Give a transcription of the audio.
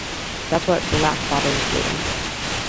That's what black fathers do.